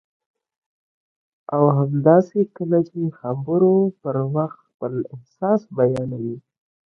او همداسې کله چې د خبرو پر وخت خپل احساس بیانوي